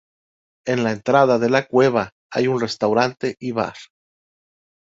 En la entrada de la cueva hay un restaurante y bar.